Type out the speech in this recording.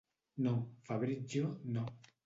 No, Fabrizio, no.